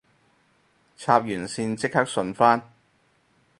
插完線即刻順返